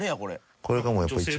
これがもうやっぱり一番。